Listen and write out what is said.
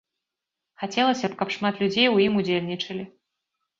Хацелася б, каб шмат людзей у ім удзельнічалі.